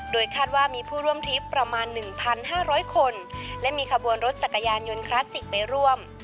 คาดว่ามีผู้ร่วมทริปประมาณ๑๕๐๐คนและมีขบวนรถจักรยานยนต์คลาสสิกไปร่วม